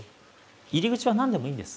入り口は何でもいいんです。